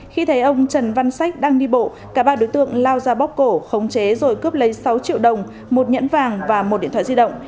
khi thấy ông trần văn sách đang đi bộ cả ba đối tượng lao ra bóc cổ khống chế rồi cướp lấy sáu triệu đồng một nhẫn vàng và một điện thoại di động